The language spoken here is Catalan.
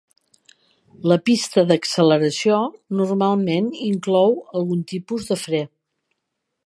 La pista d'acceleració normalment inclou algun tipus de fre.